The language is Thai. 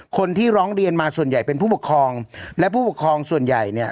คนที่ร้องเรียนมาส่วนใหญ่เป็นผู้ปกครองและผู้ปกครองส่วนใหญ่เนี่ย